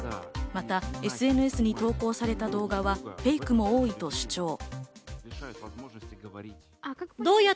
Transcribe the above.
またＳＮＳに投稿された動画はフェイクも多いと主張。